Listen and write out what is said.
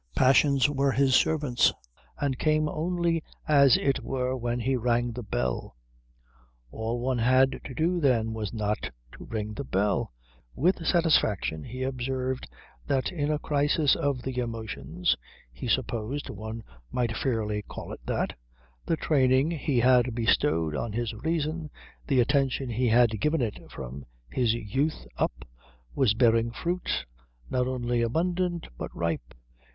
Passions were his servants, and came only as it were when he rang the bell. All one had to do then was not to ring the bell. With satisfaction he observed that in a crisis of the emotions (he supposed one might fairly call it that) the training he had bestowed on his reason, the attention he had given it from his youth up, was bearing fruit not only abundant but ripe.